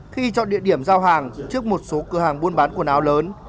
khi chọn địa điểm giao hàng trước một số cửa hàng buôn bán quần áo lớn